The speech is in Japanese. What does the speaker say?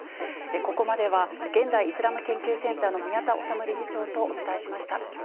ここまでは現代イスラム研究センターの宮田律理事長とお伝えしました。